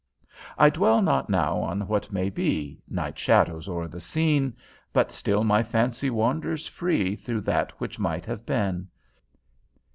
I dwell not now on what may be; Night shadows o'er the scene; But still my fancy wanders free Through that which might have been.